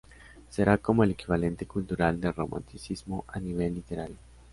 Será como el equivalente cultural del romanticismo a nivel literario.